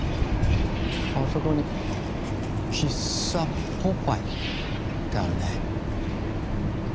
あそこに喫茶ポパイってあるね。